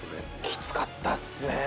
きつかったっすね。